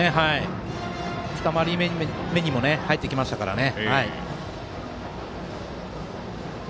２回り目にも入ってきましたからね。